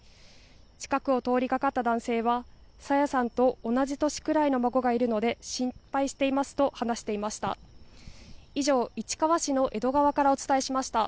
近くを通りかかった男性は朝芽さんと同じ年くらいの孫がいるので心配していますと話していました。